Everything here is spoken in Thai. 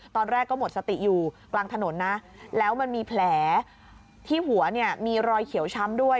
ตอนแรกก็หมดสติอยู่กลางถนนนะแล้วมันมีแผลที่หัวเนี่ยมีรอยเขียวช้ำด้วย